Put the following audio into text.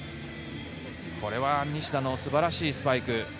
これは西田の素晴らしいスパイク。